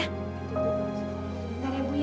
bentar ya ibu ya